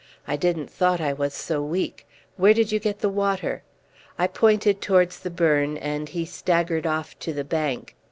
I didn't thought I was so weak. Where did you get the water?" I pointed towards the burn, and he staggered off to the bank.